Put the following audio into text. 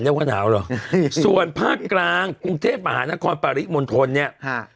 ๒๘แล้วก็หนาวหรอส่วนภาคกลางกรุงเทพมหานครปาริมณฑลเนี่ย